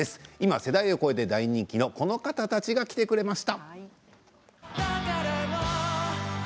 世代を超えて大人気の方たちが来てくれました。